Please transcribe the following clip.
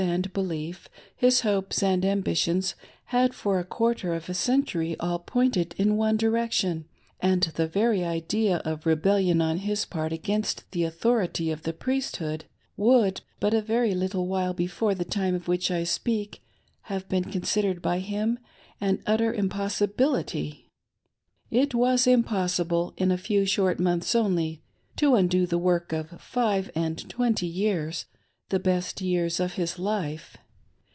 nd belief, his hopes and ambitions, had for a quarter of a century all pointed in one direction^ and the very idea of rebellion on his part against the authority of the Priesthood, would, but a very little while before the time of which I speak,, have been considered by him an utter impossibility. It was impossible, in a few short months only, to undo the work of five and twenty years— the best years of his life.